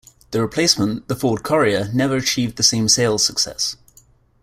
The replacement, the Ford Courier, never achieved the same sales success.